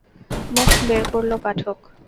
মুখ বের করল পাঠক।